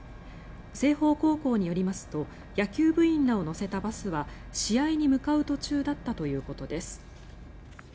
青豊高校によりますと野球部員らを乗せたバスは試合に向かう途中だったということです。